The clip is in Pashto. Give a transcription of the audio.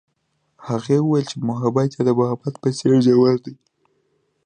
هغې وویل محبت یې د محبت په څېر ژور دی.